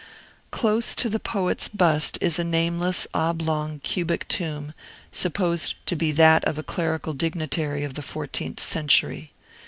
Close to the poet's bust is a nameless, oblong, cubic tomb, supposed to be that of a clerical dignitary of the fourteenth century.